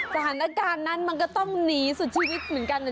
สถานการณ์นั้นมันก็ต้องหนีสุดชีวิตเหมือนกัน